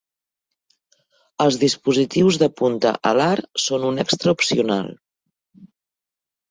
Els dispositius de punta alar són un extra opcional.